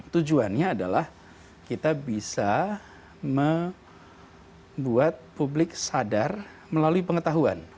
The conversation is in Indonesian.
tujuannya adalah kita bisa membuat publik sadar melalui pengetahuan